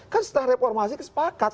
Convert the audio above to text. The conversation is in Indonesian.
kan setelah reformasi kesepakat